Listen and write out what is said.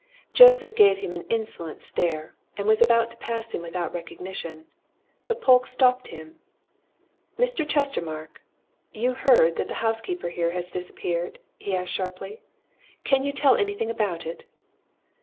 Joseph gave him an insolent stare, and was about to pass him without recognition. But Polke stopped him. "Mr. Chestermarke, you heard that the housekeeper here has disappeared?" he asked sharply. "Can you tell anything about it?"